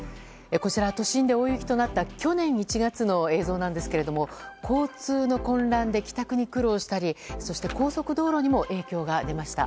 こちら都心で大雪となった去年１月の映像なんですが交通の混乱で帰宅に苦労したりそして高速道路にも影響が出ました。